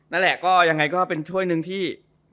นั่นแหละก็เป็นช่วยนึงที่